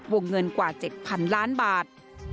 วงเงินกว่า๗๐๐๐ล้านบาท